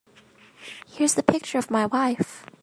Here's the picture of my wife.